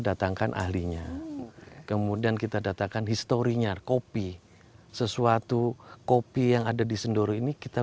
datangkan ahlinya kemudian kita datangkan historinya kopi sesuatu kopi yang ada di sendoro ini kita